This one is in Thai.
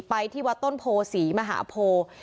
ไปที่วัดต้นโพธิ์ศรีมหาโพธิ์